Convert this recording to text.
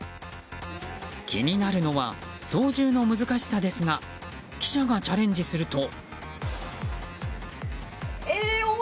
気になるのは操縦の難しさですが記者がチャレンジすると。